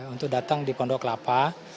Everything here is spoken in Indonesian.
untuk datang di pondok lapa